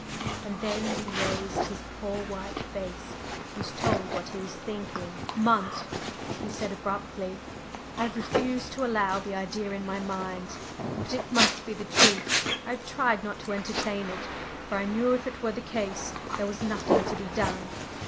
And then he raised his poor white face, and told what he was thinking. "Munt," he said, abruptly, "I have refused to allow the idea in my mind but it must be the truth. I have tried not to entertain it, for I knew if it were the case, there was nothing to be done.